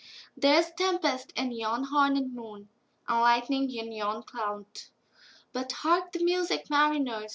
There's tempest in yon hornèd moon, And lightning in yon cloud:But hark the music, mariners!